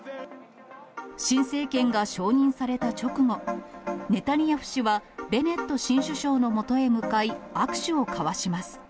新政権が承認された直後、ネタニヤフ氏はベネット新首相のもとへ向かい、握手を交わします。